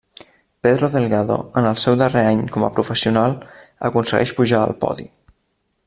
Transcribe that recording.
Pedro Delgado, en el seu darrer any com a professional, aconsegueix pujar al podi.